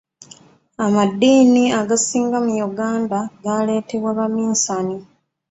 Amaddiini agasinga mu Uganda gaaleetebwa baminsani.